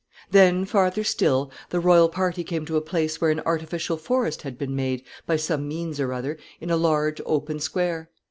Then, farther still, the royal party came to a place where an artificial forest had been made, by some means or other, in a large, open square.